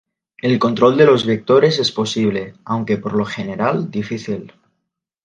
El control de los vectores es posible, aunque por lo general, difícil.